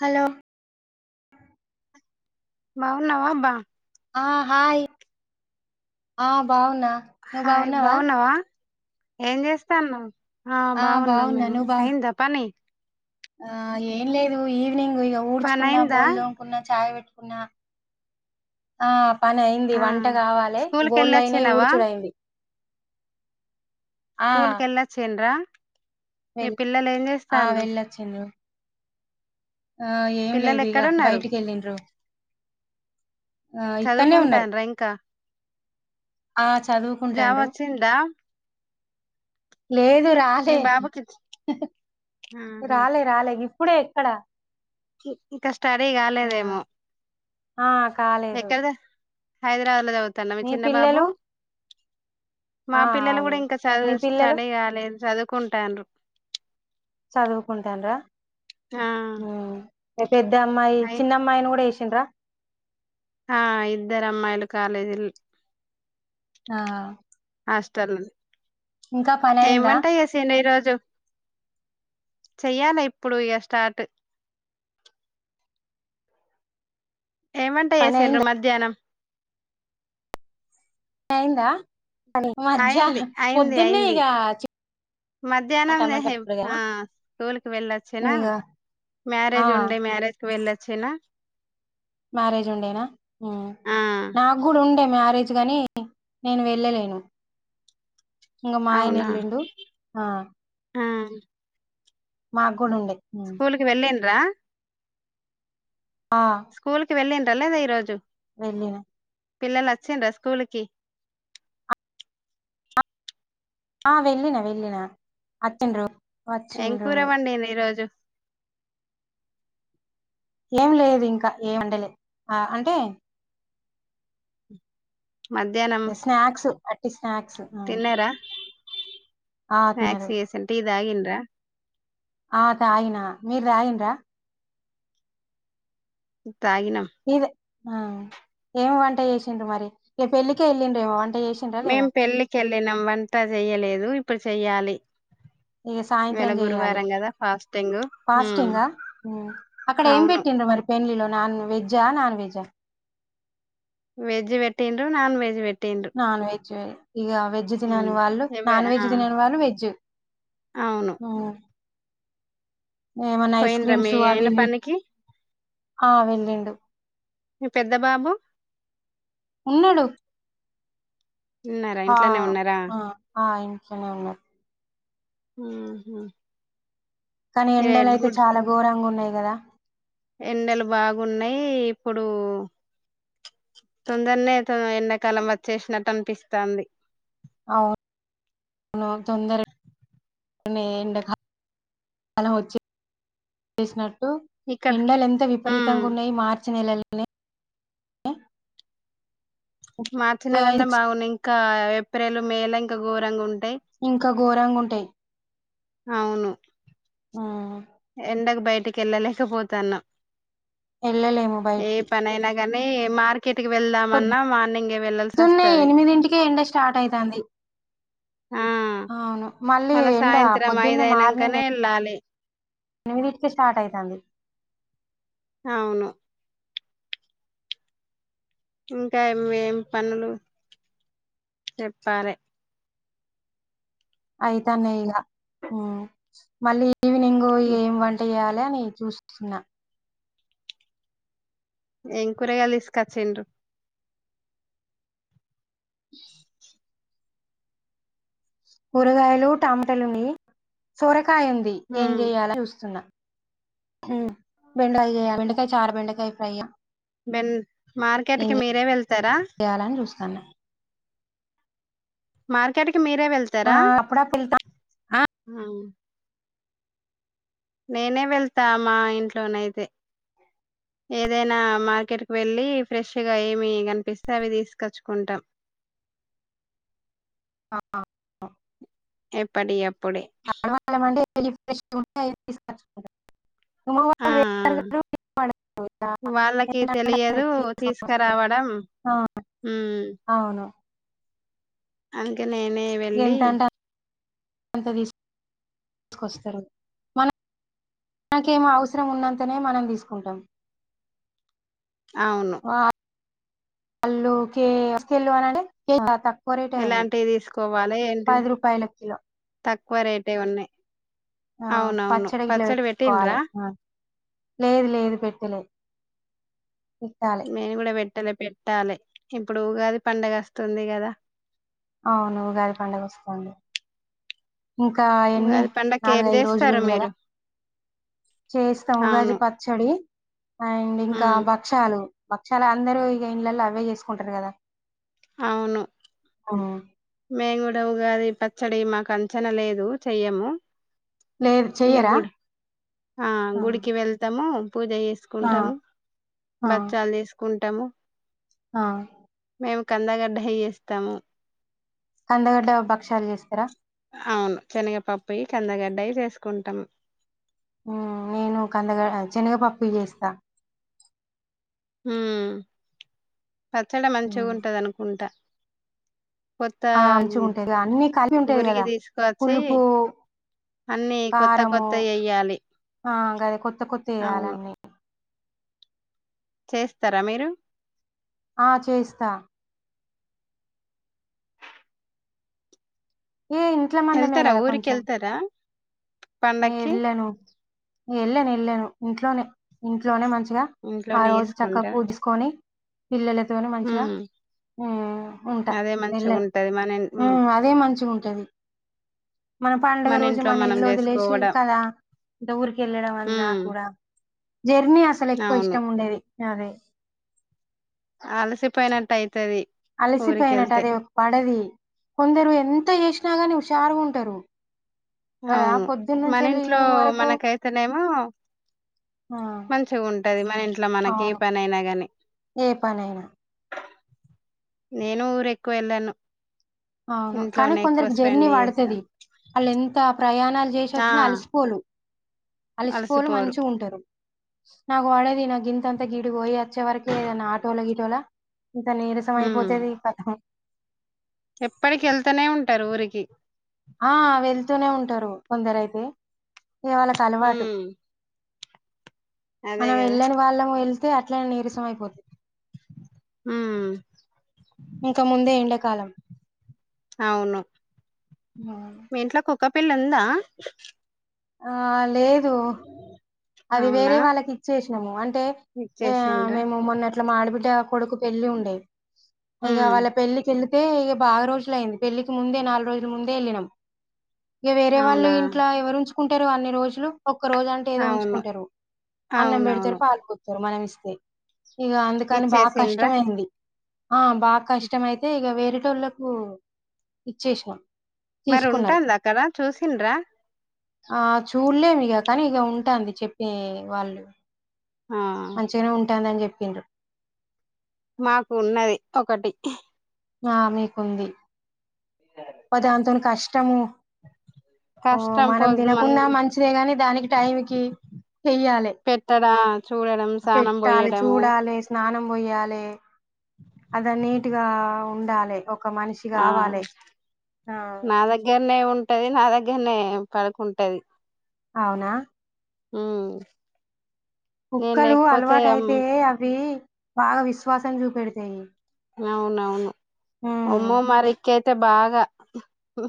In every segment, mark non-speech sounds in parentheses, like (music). Hello బావున్నావా అబ్బా ఆ హాయ్ ఆ బావున్నా హాయ్ బావున్నావా ఏం చేస్తానవ్ ఆ బాగున్నాం బాగున్నా మేము నువ్వు బాగు అయిందా పని ఆ ఏం లేదు ఈవినింగ్ ఇక పని ఊడ్చుకున్నా అయిందా బోల్ దోముకున్నా చాయ్ పెట్టు నా ఆ పని అయింది ఆ వంట కావాలే స్కూల్ కి బోళ్ళయినాయి వెళ్ళొచ్చినవా ఊడ్చుడైంది స్కూల్ కెలచిన్ న్రా మీ వెళ్ పిల్లలు ఏం ఆ చేస్తరు వెళ్ళొచ్చిండ్రు ఆ ఏం పిల్లలు లేదు ఇగా ఎక్కడున్నారు బయటికి ఎళ్ళిడ్రు చదువుకొంటన్నారా ఇంకా ఆ జాబ్ చదువుకుంటాండ్రు వచ్చిందా లేదు మీ రాలే బాబుకి ఆహా రాలే రాలే ఇప్పుడే ఎక్కడ ఇంకా స్టడీ ఆ కాలేదేమో ఆ కాలేదు ఎక్కద హైదరాబాద్ లా చదువుతండా మీ చిన్న బాబు మా ఆ పిల్లలు అవును కూడా ఇంకా మీ చదువు పిల్లలు స్టడీ కాలేదు చదువుకుంటరు చదువుకుంటాన్ రా ఆ పెద్ద అమ్మాయి అయి చిన్న అమ్మాయిని కూడా ఎసిండ్రా ఆ ఇద్దరు అమ్మాయిలు కాలేజీల్ ఆ హస్టల్ ఇంకా పని ఏం అయిందా వంట చేసిన్ర్రు ఈరోజు చెప్ చెయ్యాలే ఇప్పుడు ఇగా స్టార్ట్ ఏంవంట పని చేసిండ్రు అయిందా మధ్యాహ్నం అయిందా పని అయింది మధ్యహ్న అయింది పొద్దున్నే అయింది ఇక మధ్యాహ్నం నహీ స్కూల్కివెళ్ళొచిన ఇక ఆ మ్యారేజ్ ఉండే మ్యారేజ్కి వెళ్ళొచినా మ్యారేజ్ ఉండేనా హమ్ ఆ మాక్ కూడా ఉండే మ్యారేజ్ కాని నేను వెళ్ళలేను ఇంగా మా అయన అవునా వెల్ళిండు ఆ అ మాక్ కూడా ఉండే స్కూల్కి వెళ్ళిన్రా స్కూల్ కి వెళ్ళిండ్రా లేదా ఈ రోజు వెళ్లినా పిల్లలు వచ్చింరా స్కూల్కి ఆ వెళ్ళిన వెళ్ళిన అచిన్రు ఏం కూరవండిరు ఈ రోజు ఏమి లేదు ఇంకా ఏ వండలే ఆ అంటే మధ్యాహ్నం స్నాక్స్ అటి స్నాక్స్ ఆ తిన్నారా తినరు. స్నాక్స్ చేసి టీ తాగిన్రా ఆ తాగినా మీరు తాగిన్రా తాగినం ఆ ఏమి వంట చేసిండ్రి మరి ఏ పెళ్ళికే వెళ్ళిండ ఏమ వంట చేసిండ్రా మేం లేదా? పెళ్ళికి వెళ్ళినం వంతా చెయలేదు ఇప్పుడు చెయ్యాలి ఇక సాయంత్రం ఇవాళ చెయాలే గురువారం కదా ఫాస్టింగ్ ఉమ్, ఫాస్టింగ్ అక్కడ ఏం అవును పెట్టిండ్ర మరి పెళ్లిలా నాన్ వెజ్ ఆ నాన్ వెజ్ ఆ వెజ్ పెట్టిర్రు నాన్ వెజ్ పెట్టిన్రు నాన్ వెజ్ ఇక వెజ్ ఉమ్, తినని వాళ్ళు ఇవ నాన్ ఆ వెజ్ తినని వాళ్ళు వెజ్ అవును ఉ ఏమన్నా ఐస్ పోయిండ్రా క్రీమ్స్ మీ అవి ఆయన ఇవి పనికి ఆ వెళ్ళిండు మీ పెద్ద బాబు ఉన్నాడు ఉన్నారా ఇంట్లోనే ఉన్నారా ఆ ఇంట్లా నే ఉన్నారు. ఉహు కానీ ఇదే ఎండలు అయితే గుడ్ చాలా ఘోరంగా ఉన్నాయి కదా ఎండలు బాగున్నాయి, ఇప్పుడు తొందరనే తను ఎండాకాలం వచ్చేసినట్టు అనిపిస్తాది. అవును అవును తొందర కానీ ఎండ కాలం వచ్చిసినట్ ఇక్కడ ఎండలు ఎంత ఉమ్ విపరీతంగా ఉన్నాయి మార్చి నెలలోనే మార్చి నెలల్లో బాగున్నాయి ఇంకా ఏప్రిల్ మే లా ఇంకా ఘోరంగా ఉంటు ఇంకా ఘోరంగ ఉంటాయి. అవును మ్మ్ ఎండకు బయటికి వెళ్ళలేకపోతాన్నం, వెళ్ళలేము బయటికి ని మార్కెట్ కి వెళ్దామన్నా మార్నింగ్ పొద్దున్నే ఎనిమిదింటికే ఎండ స్టార్ట్ అవుతుంది, ఆ అవును మళ్ళీ మళ్ళా ఎండా సాయంత్రం పొద్దున్నే మార్నింగ్ ఐదయినంకనే వెళ్ళాలి ఎనిమిది ఇంటికే స్టార్ట్ అయితంది. అవును ఇంకా ఏం పనులు చెప్పాలే అయితన్నా ఇగా మళ్ళీ ఈవినింగ్ ఏమి వంట చేయాలి. యాలని చూస్తున్నా, ఏం కూరకాయలు తీస్కోచిరు, (unintelligible) కూరగాయలు టమాటలుని, సొరకాయ ఉంది ఏం ఉమ్ చెయాల చూస్తున్నా. బెండకా బెండకాయ చారు, బెండకాయ ఫ్రై బెన్ మార్కెట్కిి మీరే వెళ్తారా, తను మార్కెట్కిి మీరే ఆ వెళ్తారా, అప్పుడప్పుడు వెళ్తా నేనే వెళ్తా మా ఇంట్లోనయితే, (unintelligible) ఏదైనా మార్కెట్కి వెళ్ళి ఫ్రెష్గా ఏమి కనిపిస్తే అవి తీసుకొచ్చుకుంటాం, ఆ ఎప్పటి అపు (unintelligible) ఆ ఆ (unintelligible) వాళ్ళకి ఎంత అంటే అంత తెలియదు తీసుకొని వస్తారు. తీసాకరావడం, ఆ, హు అవును అందుకే నేనే వెళ్ళి ఎంత తీసు తీసుకొస్తారు మనం మనకేమో అవసరం ఉన్నంతనే మనం తీసుకుంటాం, అవును అలు కే కిలు అంటే త ఎలాంటివి తీసుకోవాలి ఏంటి రూపాయల కిలో తక్కువ రేటే ఉన్నాయి. ఆ అవునవును పచ్చడి గిట్ల పెట్టుకోవాలి. పెట్టిండ్రా లేదు లేదు పెట్టలే పెట్టాలి మీము కూడా పెట్టాలే పెట్టాలి ఇప్పుడు ఉగాది పండగ వస్తుంది కదా, అవును ఉగాది పండుగ వస్తంది. ఇంకా ఎన్నీ ఉగాది పండగకి ఏం నాలుగైదు రోజులు చేస్తారు ఉంది. కదా మీరు చేసిన ఉగాది అవును పచ్చడి అండ్ ఇంకా హ్మ్ భక్షాలు భక్షాలు అందరూ ఇగా ఇంళ్లలో అవే చేసుకుంటారు, కదా అవును ఊ మేంగడ గాది పచ్చడి మాకు అంచనా లేదు చెయ్యము లేదు ఇగ చెయ్యరా గుడ్ ఆ గుడికి వెళ్తాము పూజ ఆ జేసుకుంటాము ఆ బచ్చాలు చేసుకుంటాము ఆ మేము కందగడ్డయ్య చేేస్తాము కందగడ్డ భక్ష్యాలు చేస్తారా అవును శనగ పప్పు కందగడ్డయి చేసుకుంటాము నేను కందగడా చనగపప్పు యి చేస్తా ఉమ్ పచ్చడి మంచిగా ఉమ్. ఉంటది అనుకుంటా ఆ అంచుగా ఉంటాది కదా అన్ని కలిపి ఉంటాయి గురికి కదా తీసుకొచ్చి పులుపు అన్ని కొత్త కారము కొత్తయి ఎయ్యాలి ఆ గది కొత్త కొత్త అవును వేయాలన్నీ చేస్తారా మీరు ఆ చేస్తా ఇగ ఇంట్ల మందమే ఎళ్తారా కదా కొంచెం ఊరికెళ్తారా ఏ పండక్కి ళ్ళను ఏళ్ళను ఎళ్ళాను ఇంట్లోనే ఇంట్లోనే మంచి ఆ ఇంట్లోనే రోజు చక్కగా చేసుకుంటారా పూడ్జుకొని పిల్లలతోనూ మంచిగా హ్మ్ ఉమ్ ఉంటా అదే వెళ్ళను మంచిగుంటది మన ఇన్ ఉ హ్మ్ అదే మంచిగ ఉంటది మన పండుగ రోజు ఇంట్లో మన మనం ఇల్లు వదిలేసి చేసుకోవడం కదా ఇంత ఊరికి వెళ్ళడం వల్ల నా హ్మ్ కూడా జర్నీ అసలు ఎక్కువ అవును ఇష్టం ఉండేది అదే ఆలసిపోయినట్ట్టాయి అలసిపోయినట్టు అది ఒక పడది కొందరు ఎంత చేసినాగానివుషారుగా ఉంటారు కదా! అవును మన పొద్దున్నుంచెల్లి ఇంట్లో ఈవినింగ్ వరకు మనకైతేనేమో ఆ! మంచిగా ఉంటది మన ఇంట్లో మనకి ఏ అవును. పని అయినా గా ని ఏ పనైనా నేను ఊరు ఎక్కువ వెళ్ళాను అవును కానీ ఇంట్లోనే ఎక్కువ కొందరికి స్పెండ్ జర్నీ వాడుతుది చేస్తాను వాళ్ళు ఎంత ప్రయాణాలు చేసి ఆ! వచ్చిన అలసిపోలు అలిసిపోలు అలసిపోరు మంచి ఉంటారు నాక్ వడేది నాకు గింత తే గీడికి ఓయ్ వచ్చేవరకే ఏదన్న ఆటోల గీటోలా ఇంత నీరసం ఉమ్ అయిపోతేది ఈ కథం ఎప్పటికి ఎళ్తానే ఉంటారు ఊరికి ఆ వెళ్తూనే ఉంటారు కొందరు అయితే ఇవాళకు అలవాటు ఉమ్ అదే మనం కదా వెళ్ళని వాళ్ళం వెళ్తే అట్లనే నీరస ఉమ్ ఇంక ముందే ఎండకాలం అవును ఉమ్. మీ ఇంట్లో కుక్క పిల్ళ ఉందా ఆ లేదు అది వేరే అవునా వాళ్ళకి ఇచ్చేసినాము అం టే ఆ ఇచ్చేసిండ్రా మేము మొన్న అట్ల మాఆడబిడ్డ కొడుకు పెళ్లి ఉండేవి ఇగ ఉమ్ వాళ్ళ పెళ్లికేళ్లి అయితే ఇక బాగా రోజులు అయింది పెళ్లిికి ముందే నాలుగు రోజుల ముందే ఎ ళ్ళినం ఇగ వేరే వాళ్ళ అవునా ఇంట్ల ఎవరుంచుంటారు అన్ని రోజులు ఒక్క రోజు అంటే ఏదో ఉంచు అవును ఉంటరు అన్నం పెడతారు అవునవును పాలు పోతారు మనం ఇస్తే ఇక అందుకని బాగ ఇచ్చేసిండ్రా కష్టమయింది ఆ బాగా కష్టమ అయితే ఇక వేరే టోళ్లకు ఇచ్చేసిసాం మరి ఉంటన్ ద అక్కడ చూసిండ్రా ఆ చూడలేము ఇక కానీ ఇక ఉంటుంది చెప్పే వాళ్ళు ఆ మంచిగానే ఉంటాందని చెప్పిండ్రు మాకు ఉన్నది ఒకటి ఆ మీకుంది అబ్బా దాంతోనీ కష్టము ఓ కష్టం మనం పొద్దు మం తినకున్న మంచిదే కాని దానికి టైంకి చెయ్యాలే పెట్టడా చూడడం స్నానం పెట్టాలి పోయడము చూడాలి స్నానం పోయ్యాలి అద నీట్గా ఉండాలి ఒక మనిషి ఆ కావాలే నా దగ్గరనే ఉంటది నా దగ్గరనే పడుకుంటది అవునా ఉమ్ నేను కుక్కలు లేకపోతే అలవాట అమ్- అయితే అవి బాగా విశ్వాసం చూపెడతాయి అవునవును ఉమ్ ఒమ్మో మరి రిక్కి అయితే బాగా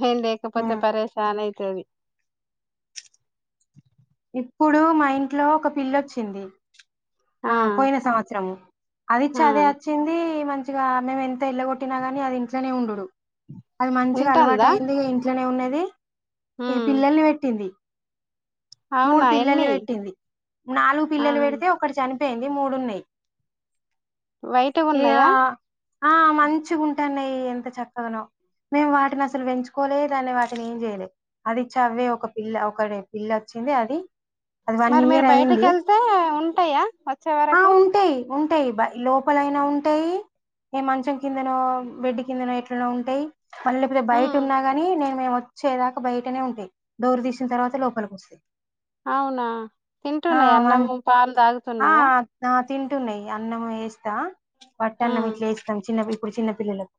మేం లేకపోతే ఉమ్ పరేేశాన్ అయితుది ఇప్పుడు మా ఇంట్లో ఒక పిల్లొచ్చింది ఆ పోయిన సంవత్సరము ఆ అదిచాధే వచ్చింది మంచిగా మేము ఎంత ఇళ్ళగొట్టినా గాని అది ఇంట్లోనే ఉండుడు అది మంచిగా అలవాటు ఉంటందా అయింది ఇక ఇంట్లోనే ఉన్నది ఇగా ఉమ్ పిల్లల్ని పెట్టింది మూడు అవునా పిల్లలు ఎన్ని పెట్టింది నాలుగు ఆ పిల్లలు పెడితే ఒకటి చనిపోయింది మూడున్నాయి వైట్గా ఇగా ఉన్నాయా ఆ మంచి ఉంటాన్నాయి ఎంత చక్కగానో మేము వాటిని అసలు పెంచుకో దాన్ని వాటిని ఏం చేయలేదు అది చవ్వే ఒక పిల్ల ఒక పిల్లచ్చి అది అది వన్ మరి మీరు ఇయర్ బయటికి అయింది వెళ్తే ఉంటాయా వచ్చే ఆ వరకు ఉంటాయి ఉంటాయి లోపలైనా ఉంటాయి ఏ మంచం కిందనో బెడ్డు కిందనో ఎట్లనో ఉంటా లేకపోతే బయట ఉమ్ ఉన్నాగాని నేను మే వచ్చేదాక బయటనే ఉంటాయి డోర్ తీసిన తర్వాత లోపలికి వస్తాయి అవునా ఆ తింటున్నయ్ మన్ అన్నము పాలు తాగు ఆ తింటున్నాయి అన్నం వేస్తా వట్ట అన్నం ఉమ్ ఇట్లా వేస్తాం చిన్నపి చిన్న పిల్లలకు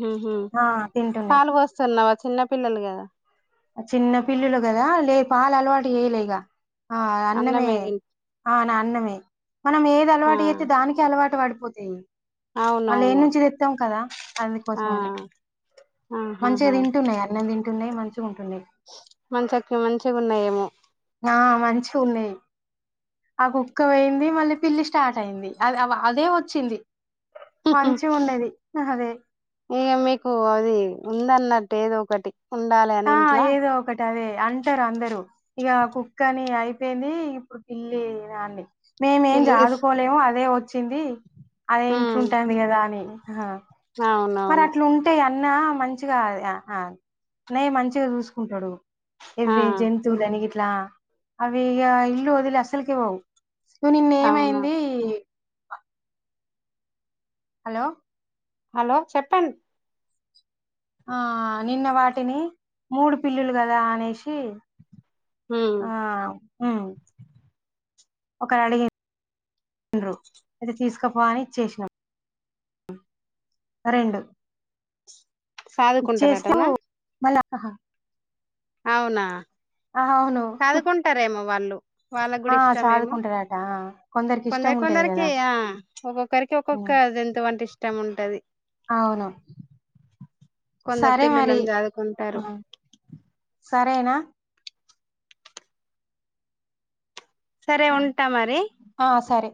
హుహు ఆ తింటున్నాయి పాలుపోస్తున్నావా చిన్న పిల్లలు కదా చిన్న పిల్లులు కదా లే పాలు అలవాటు చేయలే ఇగ అన్నమే అన్నమే మనం ఏది ఆ అలవాటు చేస్తే దానికి అలవాటు పడిపోతాయి మళ్ళ అవునవును ఏనుంచి తెత్తాం కదా ఆ అందుకోసమని మంచిగా తింటున్నాయి అన్నం తింటున్నాయి మంచి మంచక మంచిగా ఉన్నాయేమో ఆ మంచిగున్నాయి ఆ కుక్క పోయింది మళ్ళీ పిల్లి స్టార్ట్ అయింది అది అదే వచ్చింది మంచిగా ఉన్నది అదే ఇగా మీకు అది ఉందన్నట్టు ఏదో ఒకటి ఉండాలి అని ఆ ఇంట్లా ఏదో ఒకటి అదే అంటరు అందరూ ఇగ కుక్క అని అయి ఏంది ఇప్పుడు పిల్లి నాండి. మేమేం పిలిస్ సాదుకోలేము అదే వచ్చింది. అదే ఉమ్, ఇంట్లఉంటాంది కదా అని అవునవును. ఆ మంచిగా ఆ ఆ అన్నయ్య మంచిగా చూసుకుంటాడు. ఆ ఇవి జంతువులను గిట్లా అవి ఇగ ఇల్లు వదిలి అసలుకే పోవు. నిన్న అవును ఏమైంది. హలో హలో చెప్పండి. ఆ నిన్న వాటిని మూడు పిల్లులు కదా అనేసి ఉ ఒకరు అడిగిండ్రు అయితే తీసుకుపో అని ఇచ్చేసినాం. రెండు ఇచ్చేస్తూ సాదుకుంటారటనా మళ్ళ అవునా అవును సాదుకుంటారేమో వాళ్ళు. వాళ్ళకు ఆ కూడా ఇస్టమ్ ఏమో చదువుకుంటారట ఆ కొందరికి ఇష్టం ఉంటది కొందరికి కదా ఆ ఒక్కొక్కరికి ఒక్కొక్క ఉమ్, జంతువంటే ఇష్టం ఉంటది. అవును. కొందరు సరే మరి పిల్లులను ఆ చదువుకుంటారు సరేనా. సరే ఉంటా మరి. ఆ సరే.